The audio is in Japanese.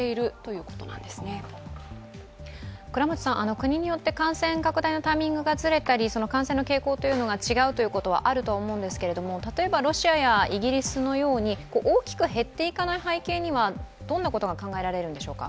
国によって感染拡大のタイミングがずれたり感染の傾向が違うのはあると思うんですが例えばロシアやイギリスのように大きく減っていかない背景には、どんなことが考えられるんでしょうか。